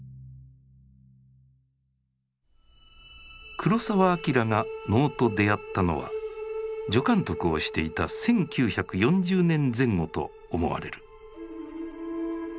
黒澤明が能と出会ったのは助監督をしていた１９４０年前後と思われる。